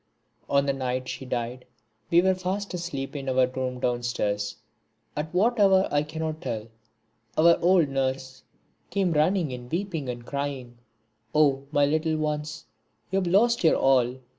On the night she died we were fast asleep in our room downstairs. At what hour I cannot tell, our old nurse came running in weeping and crying: "O my little ones, you have lost your all!"